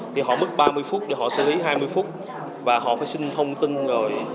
thì họ mất ba mươi phút để họ xử lý hai mươi phút và họ phải xin thông tin rồi